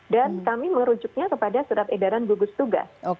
dan kami merujuknya kepada serat edaran gugus tugas